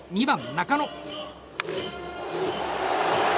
２番、中野。